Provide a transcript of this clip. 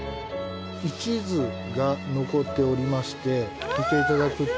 位置図が残っておりまして見て頂くと。